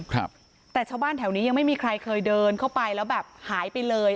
ครับแต่ชาวบ้านแถวนี้ยังไม่มีใครเคยเดินเข้าไปแล้วแบบหายไปเลย